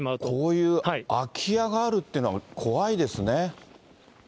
こういう空き家があるっていうのは、怖いですね。